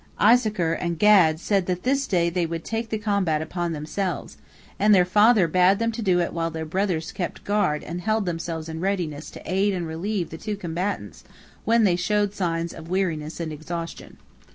Issachar and Gad said that this day they would take the combat upon themselves, and their father bade them do it while their brothers kept guard and held themselves in readiness to aid and relieve the two combatants when they showed signs of weariness and exhaustion.